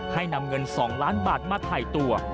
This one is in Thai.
ให้นำเงิน๒ล้านบาทมาถ่ายตัว